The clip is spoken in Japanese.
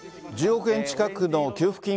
１０億円近くの給付金